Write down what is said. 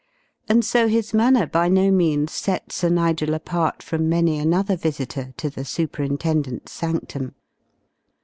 And so his manner by no means set Sir Nigel apart from many another visitor to the Superintendent's sanctum.